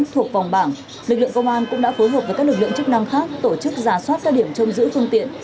thuộc vòng bảng lực lượng công an cũng đã phối hợp với các lực lượng chức năng khác tổ chức giả soát các điểm trông giữ phương tiện